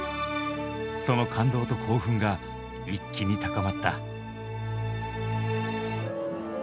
その感動と興奮が一気に高まった。